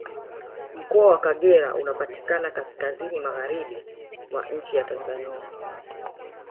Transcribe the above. Mkoa wa Kagera unapatikana Kaskazini Magharibi mwa nchi ya Tanzania